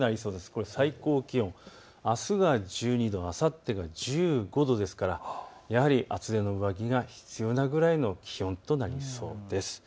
これ最高気温、あすは１２度、あさってが１５度ですからやはり厚手の上着が必要なぐらいの気温となりそうです。